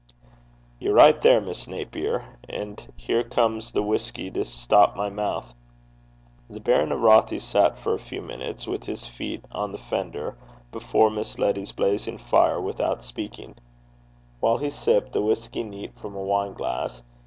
'You're right there, Miss Naper. And here comes the whisky to stop my mouth.' The Baron of Rothie sat for a few minutes with his feet on the fender before Miss Letty's blazing fire, without speaking, while he sipped the whisky neat from a wine glass.